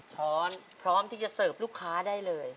ช้อนพร้อมที่จะเสิร์ฟลูกค้าได้เลย